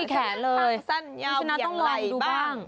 คลักสั้นยาวอย่างไรบ้าง